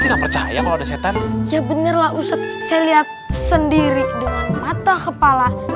tidak percaya kalau setan ya bener lah usap saya lihat sendiri dengan mata kepala